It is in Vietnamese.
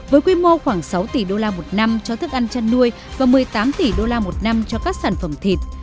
với quy mô khoảng sáu tỷ đô la một năm cho thức ăn chăn nuôi và một mươi tám tỷ đô la một năm cho các sản phẩm thịt